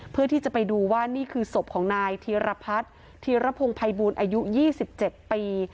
เพื่อที่จะไปดูว่านี่คือศพของนายธีรพัฒน์ธีรพงศ์ภัยบูลอายุ๒๗ปี